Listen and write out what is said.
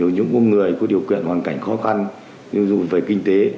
những người có điều kiện hoàn cảnh khó khăn về kinh tế